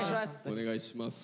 お願いします。